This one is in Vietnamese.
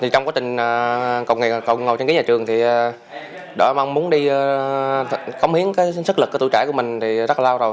trong quá trình ngồi trên ký nhà trường thì đội mong muốn đi công hiến sức lực của tuổi trẻ của mình thì rất là lao rồi